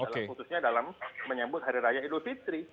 khususnya dalam menyambut hari raya idul fitri